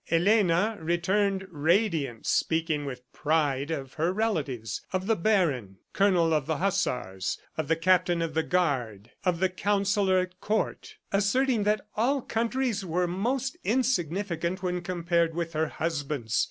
Elena returned radiant, speaking with pride of her relatives of the baron, Colonel of Hussars, of the Captain of the Guard, of the Councillor at Court asserting that all countries were most insignificant when compared with her husband's.